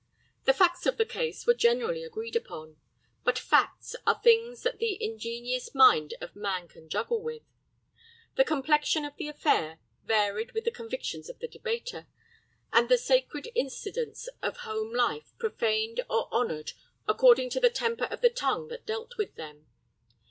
The facts of the case were generally agreed upon; but facts are things that the ingenious mind of man can juggle with. The complexion of the affair varied with the convictions of the debater, and the sacred incidents of home life profaned or honored according to the temper of the tongue that dealt with them.